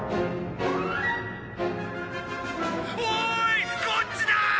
おーいこっちだ！